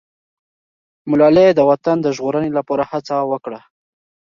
ملالۍ د وطن د ژغورنې لپاره هڅه وکړه.